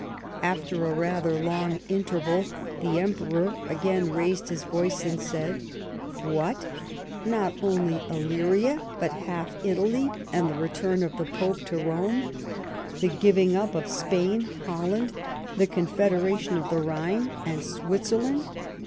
After a rather long interval, the Emperor again raised his voice, and said :" "What ! not only lUyria, biit half Italy, and the return of the Pope to Rome ! the giving up of Spain, Holland, the Confederation of the Rhine, and Switzeilund